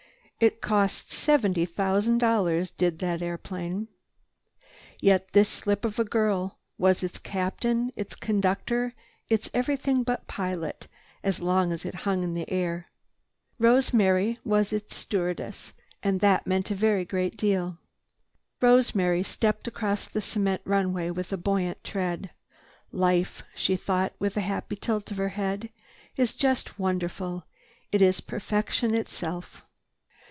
It cost seventy thousand dollars did that airplane. Yet this slip of a girl was its captain, its conductor, its everything but pilot, as long as it hung in air. Rosemary was its stewardess—and that meant a very great deal. Rosemary stepped across the cement runway with a buoyant tread. "Life," she thought with a happy tilt of her head, "is just wonderful! It is perfection itself."